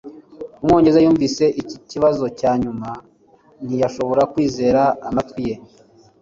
umwongereza yumvise iki kibazo cyanyuma, ntiyashobora kwizera amatwi ye